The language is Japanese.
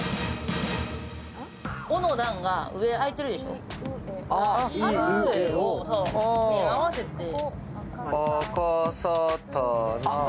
「お」の段が上、空いてるでしょう、合わせて。